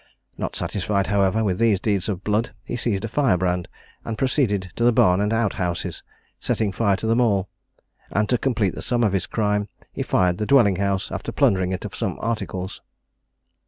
Not satisfied, however, with these deeds of blood, he seized a firebrand, and proceeded to the barn and outhouses, setting fire to them all; and, to complete the sum of his crime, he fired the dwelling house, after plundering it of some articles.